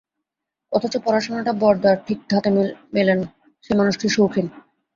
অথচ পড়াশুনাটা বরদার ঠিক ধাতে মেলে না, সে মানুষটি শৌখিন।